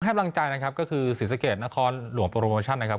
ให้กำลังใจนะครับก็คือศรีสะเกดนครหลวงโปรโมชั่นนะครับ